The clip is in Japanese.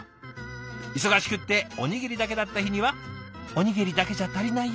忙しくっておにぎりだけだった日には「おにぎりだけじゃたりないよ」。